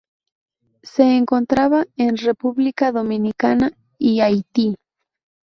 Se encontraba en República Dominicana y Haití.